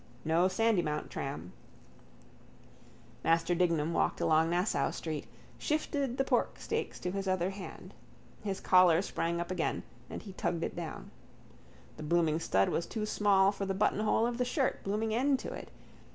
No Sandymount tram. Master Dignam walked along Nassau street, shifted the porksteaks to his other hand. His collar sprang up again and he tugged it down. The blooming stud was too small for the buttonhole of the shirt, blooming end to it.